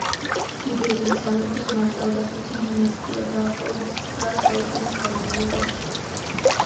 იბერიის სამეფოს მართავდა ხუთი დინასტია დაახლოებით ცხრა საუკუნის განმავლობაში.